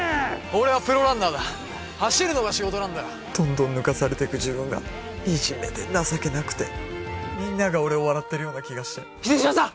俺はプロランナーだ走るのが仕事なんだよどんどん抜かされていく自分がみじめで情けなくてみんなが俺を笑ってるような気がして秀島さん！